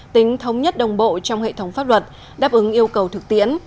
tính thống nhất đồng bộ trong hệ thống pháp luật đáp ứng yêu cầu thực tiễn